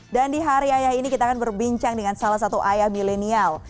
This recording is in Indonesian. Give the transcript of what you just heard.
dan di hari ayah ini kita akan berbincang dengan salah satu ayah milenial